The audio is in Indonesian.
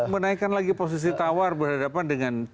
menaikan lagi posisi tawar berhadapan dengan tiga anggota pemerintah